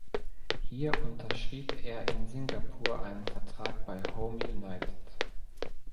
Hier unterschrieb er in Singapur einen Vertrag bei Home United.